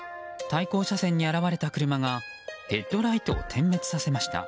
対向車線に現れた車がヘッドライトを点滅させました。